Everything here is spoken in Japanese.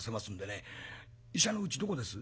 医者のうちどこです？」。